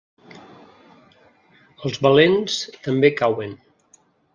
Els valents també cauen.